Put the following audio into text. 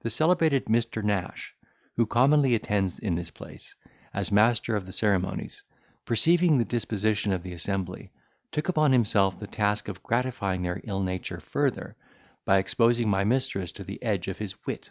The celebrated Mr. Nash, who commonly attends in this place, as master of the ceremonies, perceiving the disposition of the assembly, took upon himself the task of gratifying their ill nature further, by exposing my mistress to the edge of his wit.